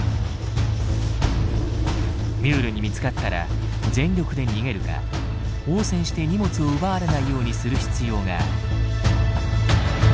ミュールに見つかったら全力で逃げるか応戦して荷物を奪われないようにする必要がある。